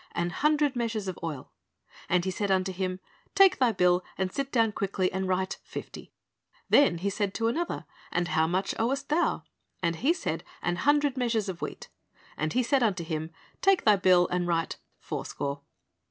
An hundred measures of oil. And he said unto him, Take thy bill, and sit down quickly, and write fifty. Then, said he to another. And how much owest thou? And he said, An hundred measures of wheat. And he said unto him, Take thy bill, and write fourscore."